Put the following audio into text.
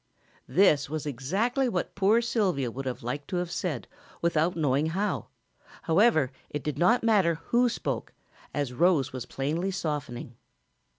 This was exactly what poor Sylvia would like to have said without knowing how; however it did not matter who spoke, as Rose was plainly softening.